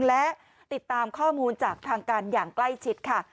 และติดตามข้อมูลจากทางการอย่างใกล้ชิดค่ะ